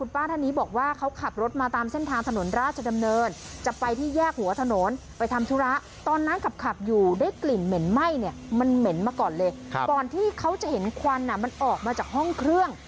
ไฟมันเหม็นมาก่อนเลยก่อนที่เขาจะเห็นควันมันออกมาจากห้องเครื่อง